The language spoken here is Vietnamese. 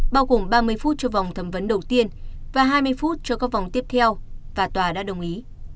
bao gồm ba mươi phút cho vòng thẩm vấn đầu tiên và hai mươi phút cho các vòng tiếp theo và tòa đã đồng ý